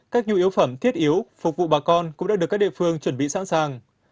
các nhu yếu phẩm thiết yếu phục vụ bà con cũng đã được các địa phương chuẩn bị sẵn sàng